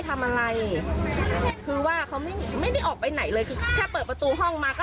ต้องขัง